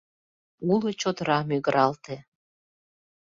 Уло чодыра мӱгыралте: